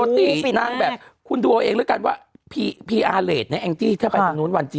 ๑๕๐๐ถึง๑๘๐๐ต่อวัน